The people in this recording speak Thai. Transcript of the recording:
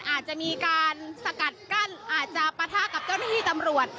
อาจจะมีการสกัดกั้นอาจจะปะทะกับเจ้าหน้าที่ตำรวจ